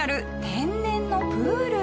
天然のプール。